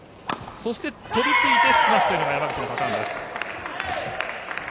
そして、飛びついてスマッシュというのが山口のパターン。